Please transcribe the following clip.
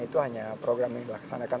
itu hanya program yang dilaksanakan